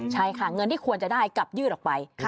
ใช่ค่ะเงินที่ควรจะได้กลับยืดออกไป